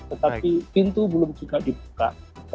tetapi pintu belum juga dibuka